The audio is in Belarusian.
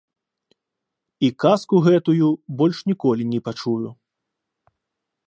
І казку гэтую больш ніколі не пачую.